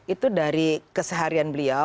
itu dari keseharian beliau